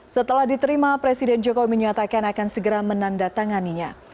setelah diterima presiden jokowi menyatakan akan segera menandatanganinya